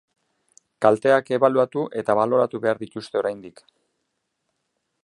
Kalteak ebaluatu eta baloratu behar dituzte oraindik.